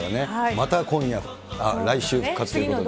また今夜、来週復活ということで。